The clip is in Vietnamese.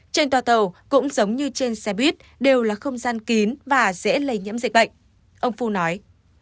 trên tòa tàu cũng giống như trên xe buýt đều là không gian kín và dễ lây nhiễm dịch bệnh ông phu nói